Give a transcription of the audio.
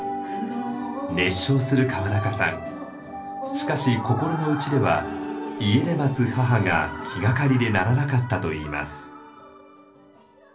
しかし心の内では家で待つ母が気がかりでならなかったといいます。